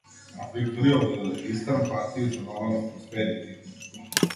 A victory of the eastern party is an omen of prosperity.